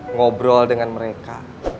ngobrol dengan mereka